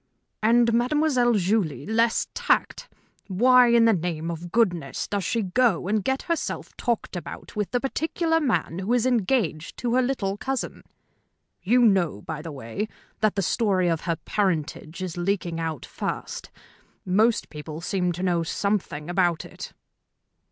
"And Mademoiselle Julie less tact. Why, in the name of goodness, does she go and get herself talked about with the particular man who is engaged to her little cousin? You know, by the way, that the story of her parentage is leaking out fast? Most people seem to know something about it."